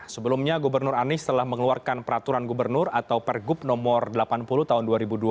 sebelumnya gubernur anies telah mengeluarkan peraturan gubernur atau pergub nomor delapan puluh tahun dua ribu dua puluh